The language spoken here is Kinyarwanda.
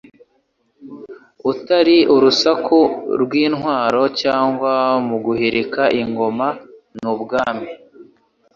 atari urusaku rw'intwaro cyangwa mu guhirika ingoma n'ubwami,